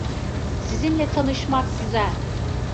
Sizinle tanışmak güzel.